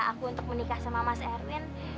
aku untuk menikah sama mas erwin